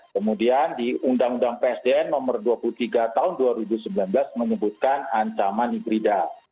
kemudian di undang undang psdn nomor dua puluh tiga tahun dua ribu sembilan belas menyebutkan ancaman hibrida